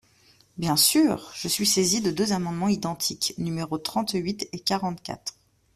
Bien sûr ! Je suis saisi de deux amendements identiques, numéros trente-huit et quarante-quatre.